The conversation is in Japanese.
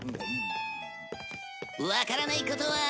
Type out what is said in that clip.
わからないことは。